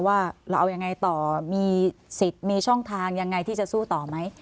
ว่าเราเอายังไงต่อมีสิทธิ์มีช่องทางยังไงที่จะสู้ต่อไหม